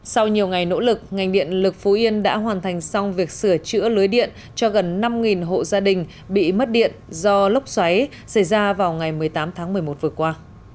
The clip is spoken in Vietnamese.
sau nhiều ngày nỗ lực ngành điện lực phú yên đã hoàn thành xong việc sửa chữa lưới điện cho gần năm hộ gia đình bị mất điện do lốc xoáy xảy ra vào ngày một mươi tám tháng một mươi một vừa qua